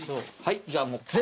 はいじゃあもう。